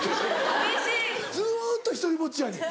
・寂しい・ずっと独りぼっちやねん。